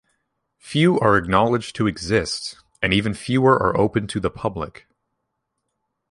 Few are acknowledged to exist, and even fewer are open to the public.